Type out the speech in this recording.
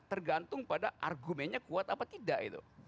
tergantung pada argumennya kuat apa tidak